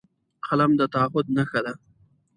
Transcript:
قلم د تعهد نښه ده